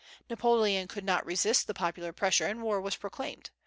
Napoleon could not resist the popular pressure, and war was proclaimed.